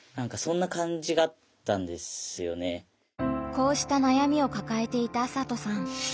こうした悩みを抱えていた麻斗さん。